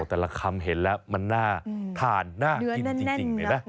แต่ละคำเห็นแล้วมันน่าทานน่ากินจริงเลยนะ